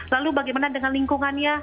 lalu bagaimana dengan lingkungannya